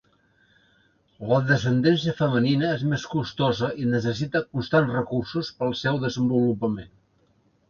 La descendència femenina és més costosa i necessita constants recursos per al seu desenvolupament.